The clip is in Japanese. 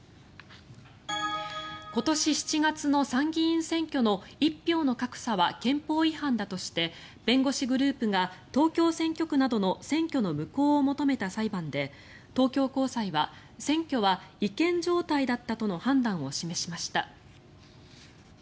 今年７月の参議院選挙の一票の格差は憲法違反だとして弁護士グループが東京選挙区などの選挙の無効を求めた裁判で東京高裁は選挙は違憲状態だったとの判断を示しました。